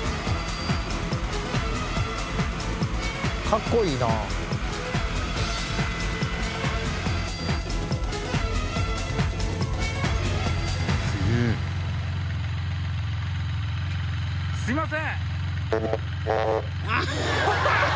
「かっこいいな」「すげえ」すいません！